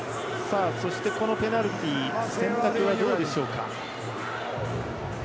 このペナルティ選択はどうでしょうか。